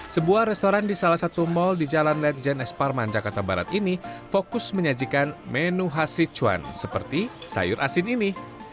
sebuah restoran di salah satu mal di jalan ledjen es parman jakarta barat ini fokus menyajikan menu khas sichuan seperti sayur asin ini